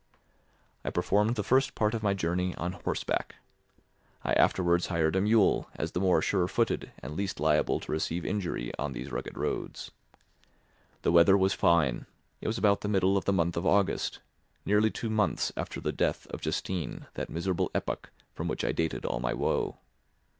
I performed the first part of my journey on horseback. I afterwards hired a mule, as the more sure footed and least liable to receive injury on these rugged roads. The weather was fine; it was about the middle of the month of August, nearly two months after the death of Justine, that miserable epoch from which I dated all my woe.